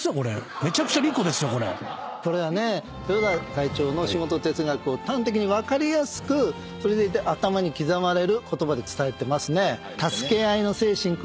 これはね豊田会長の仕事哲学を端的に分かりやすくそれでいて頭に刻まれる言葉で伝えてますね。